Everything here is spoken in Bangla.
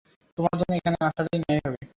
তোমার জন্য এখানে আসাটাই ন্যায় হবে।